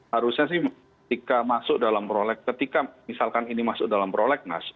harusnya sih ketika masuk dalam proleg ketika misalkan ini masuk dalam prolegnas